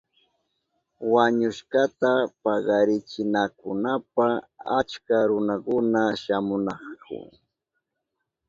Wañushkata pakarichinankunapa achka runakuna shamunahun.